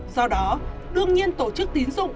do đó đương nhiên tổ chức tín dụng